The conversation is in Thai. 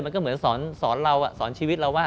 มันก็เหมือนสอนเราสอนชีวิตเราว่า